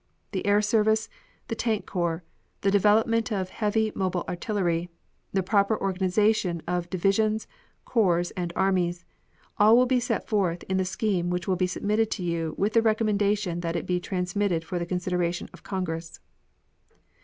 The Air Service, the Tank Corps, the development of heavy mobile artillery, the proper organization of divisions, corps, and armies, all will be set forth in the scheme which will be submitted to you with the recommendation that it be transmitted for the consideration of Congress.